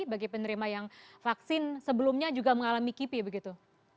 bagi penerima yang vaksin sebelumnya juga mengalami kipi begitu